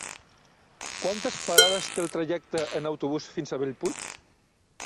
Quantes parades té el trajecte en autobús fins a Bellpuig?